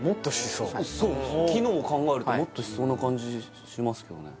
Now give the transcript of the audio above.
そう機能を考えるともっとしそうな感じしますけどね